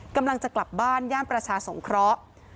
กำลังจะกลับบ้านย่านประชาสงเคราะห์